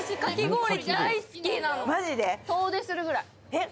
えっ！